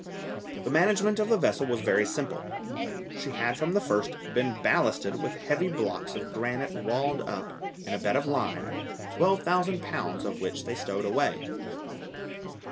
The management of the vessel was very simple. She had from the first been ballasted with heavy blocks of granite walled up, in a bed of lime, twelve thousand pounds of which they stowed away.